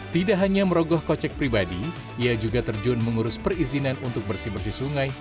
tidak hanya merogoh kocek pribadi ia juga terjun mengurus perizinan untuk bersih bersih sungai